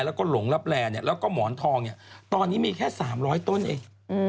แล้วก็หลงลับแลแล้วก็หมอนทองเนี่ยตอนนี้มีแค่๓๐๐ต้นเอง